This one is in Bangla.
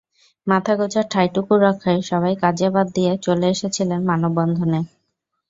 মাথা গোঁজার ঠাঁইটুকু রক্ষায় সবাই কাজ বাদ দিয়ে চলে এসেছিলেন মানববন্ধনে।